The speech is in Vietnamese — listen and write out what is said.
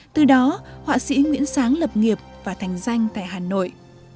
từ đó họa sĩ nguyễn sáng lập nghiệp và thành danh tại hà nội